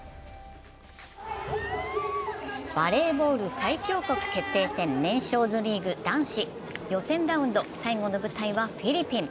バレーボール最強国決定戦、ネーションズリーグ男子、予選ラウンド最後の舞台はフィリピン。